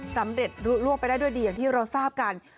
สำเร็จล่วงไปได้ด้วยดีอย่างที่เราทราบกัน